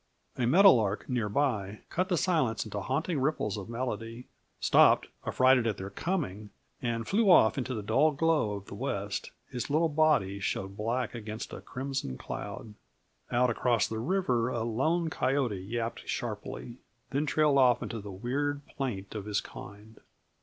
A meadow lark near by cut the silence into haunting ripples of melody, stopped affrighted at their coming, and flew off into the dull glow of the west; his little body showed black against a crimson cloud. Out across the river a lone coyote yapped sharply, then trailed off into the weird plaint of his kind.